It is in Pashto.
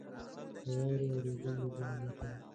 • د واورې اورېدل د ژمي نښه ده.